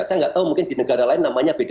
saya nggak tahu mungkin di negara lain namanya beda